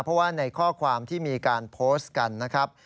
เพราะว่าในข้อความที่มีการโพสต์กันนะครับ